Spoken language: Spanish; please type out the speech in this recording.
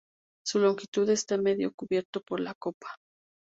Su longitud está medio cubierto por la copa.